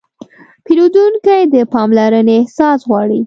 پیرودونکی د پاملرنې احساس غواړي.